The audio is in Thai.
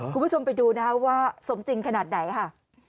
คุณผู้ชมไปดูนะคะว่าสมจริงขนาดไหนค่ะ